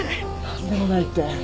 何でもないって。